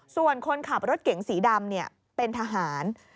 ส่วนคนขับรถเก๋งสีดำเป็นทหาร